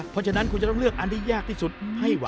เพราะฉะนั้นคุณจะต้องเลือกอันที่ยากที่สุดให้ไหว